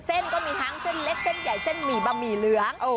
ก็มีทั้งเส้นเล็กเส้นใหญ่เส้นหมี่บะหมี่เหลือง